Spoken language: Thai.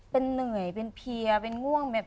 เป็นเหนื่อยเป็นเพียเป็นง่วงแบบ